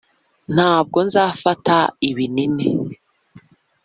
ntabwo nzafata ibinini.